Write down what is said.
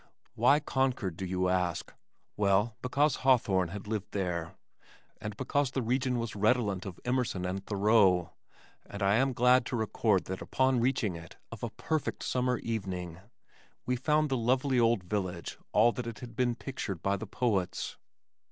Why Concord, do you ask? Well, because Hawthorne had lived there, and because the region was redolent of Emerson and Thoreau, and I am glad to record that upon reaching it of a perfect summer evening, we found the lovely old village all that it had been pictured by the poets.